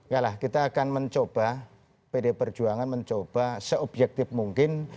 yalah kita akan mencoba pd perjuangan mencoba se objektif mungkin